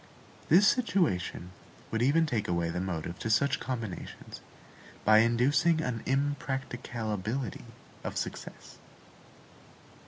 This situation would even take away the motive to such combinations, by inducing an impracticability of success.